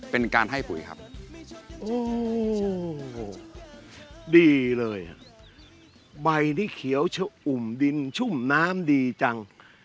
เป็นการให้ปุ๋ยครับดีเลยใบนี้เขียวชะอุ่มดินชุ่มน้ำดีจัง